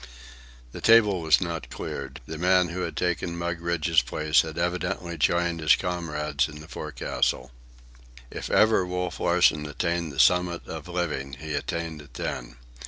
The table was not cleared. The man who had taken Mugridge's place had evidently joined his comrades in the forecastle. If ever Wolf Larsen attained the summit of living, he attained it then.